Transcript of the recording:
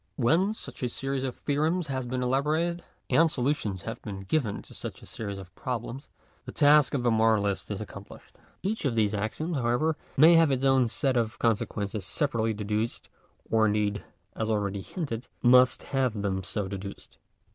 When such a series of theorems has been elaborated, and solutions have been given to such a series of problems, the task of the moralist is accomplished. Each of these axioms, however, may have its' own set of consequences separately deduced, or indeed, as already hinted, must have them so deduced.